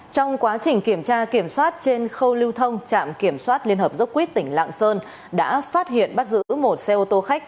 trong quá trình kiểm tra kiểm soát trên khâu lưu thông trạm kiểm soát liên hợp dốc quýt tỉnh lạng sơn đã phát hiện bắt giữ một xe ô tô khách